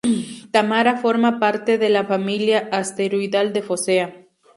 Tamara forma parte de la familia asteroidal de Focea.